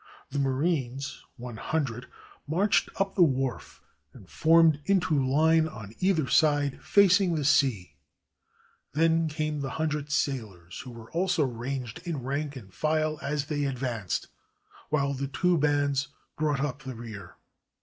The marines (one hundred) marched up the wharf and formed into line on either side, facing the sea; then came the hundred sailors, who were also ranged in rank and file as they 431 JAPAN advanced, while the two bands brought up the rear.